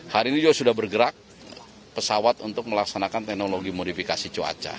hari ini juga sudah bergerak pesawat untuk melaksanakan teknologi modifikasi cuaca